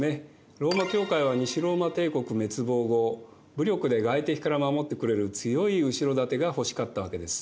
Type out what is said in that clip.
ローマ教会は西ローマ帝国滅亡後武力で外敵から守ってくれる強い後ろ盾がほしかったわけです。